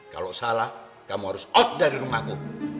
kalau salah kamu harus out dari rumahku